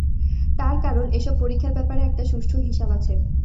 তার কারণ এসব পরীক্ষার ব্যাপারে একটা সুষ্ঠু হিসাব আছে।